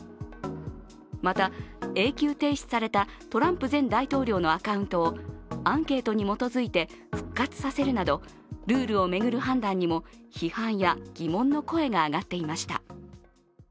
また永久停止されたトランプ前大統領のアカウントをアンケートに基づいて復活させるなどルールを巡る判断にも批判や疑問の声が上がっていました。